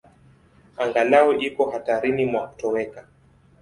Angalau iko hatarini mwa kutoweka.